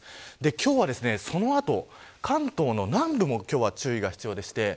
今日はその後、関東の南部も注意が必要です。